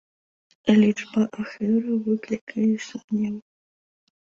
Лічба ахвяраў выклікае сумневы.